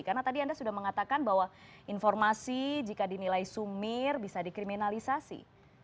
karena tadi anda sudah mengatakan bahwa informasi jika dinilai sumir bisa dikriminalisasi